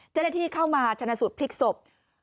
เจ้าหน้าที่เข้ามาชนะสูตรพลิกศพ